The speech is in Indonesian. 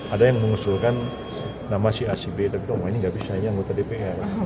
ada yang mengusulkan nama si acb tapi ini nggak bisanya anggota dpr